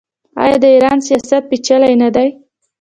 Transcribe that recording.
آیا د ایران سیاست پیچلی نه دی؟